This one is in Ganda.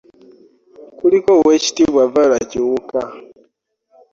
Kuliko Oweekitiibwa Viola Kiwuka